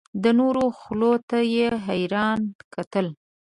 د نورو خولو ته یې حیران کتل.